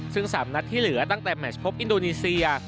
ซึ่ง๓นัดที่เหลือตั้งแต่แมชพบอินโดนีเซีย